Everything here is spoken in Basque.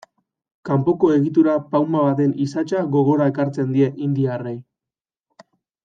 Kanpoko egitura pauma baten isatsa gogora ekartzen die indiarrei.